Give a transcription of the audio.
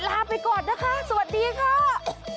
ลาไปก่อนนะคะสวัสดีค่ะ